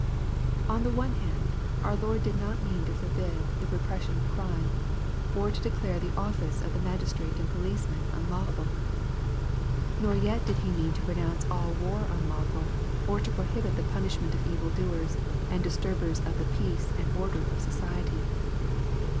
On the one hand, our Lord did n«t mean to forbid the repres* sion of crime, or to declare the office of the magistrate and police man unlawful. Nor yet did He mean to pronounce all war unlawful, or to prohibit the punishment of evil doers, and disturb ers of the peace and order of society.